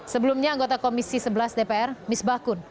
sebelumnya anggota komisi sebelas dpr misbah kun